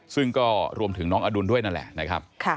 ซึ่งก็รวมถึงน้องอดุลด้วยนั่นแหละนะครับ